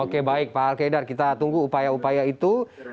oke baik pak alkaidar kita tunggu upaya upaya itu